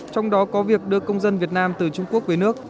trong đó có việc đưa công dân việt nam từ trung quốc về nước